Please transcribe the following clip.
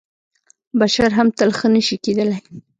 بشر هم تل ښه نه شي کېدلی .